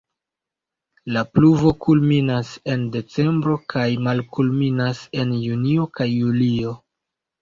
La pluvo kulminas en decembro kaj malkulminas en junio kaj julio.